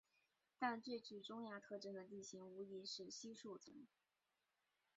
但最具中亚特征的地形无疑是稀树草原。